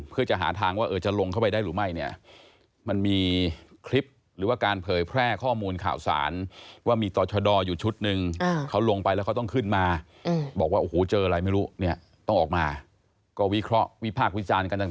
เพื่อหาทางจะลงเข้าไปได้หรือไม่